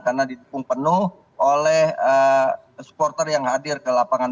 karena didukung penuh oleh supporter yang hadir ke lapangan